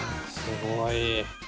すごい。